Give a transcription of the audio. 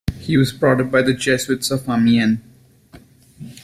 He was brought up by the Jesuits of Amiens.